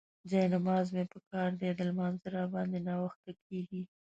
جاینماز مې پکار دی، د لمانځه راباندې ناوخته کيږي.